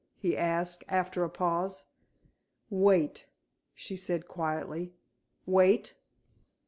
he asked, after a pause. "Wait," she said quietly. "Wait?